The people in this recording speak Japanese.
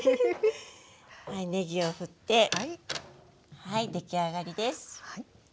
ねぎを振ってはい出来上がりです。